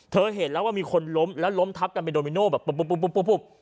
เห็นแล้วว่ามีคนล้มแล้วล้มทับกันเป็นโดมิโน่แบบปุ๊บปุ๊บ